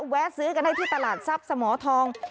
แวะซื้อกันได้ที่ตลาดทรัพย์สมทอง